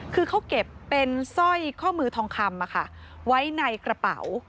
คือเขาเก็บเป็นสร้อยข้อมือทองคำไว้ในกระเป๋า